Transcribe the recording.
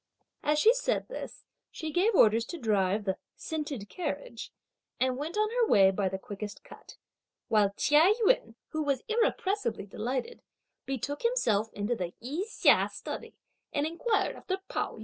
As she said this, she gave orders to drive the "scented" carriage, and went on her way by the quickest cut; while Chia Yün, who was irrepressibly delighted, betook himself into the I Hsia study, and inquired after Pao yü.